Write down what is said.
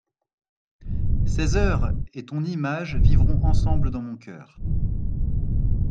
Ces heures et ton image vivront ensemble dans mon cœur.